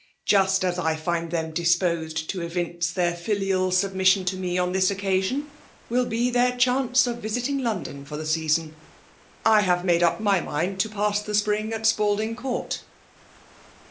Just as I find them disposed to evince their filial submission to me on this occasion, will be their chance of visiting London for the season ; I have made up my mind to pass the spring at Spalding Court.'